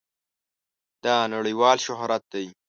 دا نړېوال شهرت دی.